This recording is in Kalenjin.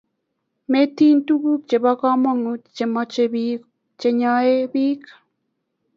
Miten tuguk chebo kamanuut chemechee biik chenyoi biik